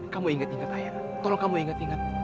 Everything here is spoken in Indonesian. kamu inget inget ayah tolong kamu inget inget